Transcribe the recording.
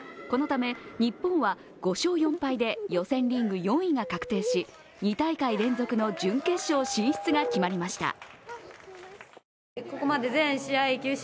このため日本は５勝４敗で予選リーグ４位が確定し、２大会連続の準決勝進出が決まりました。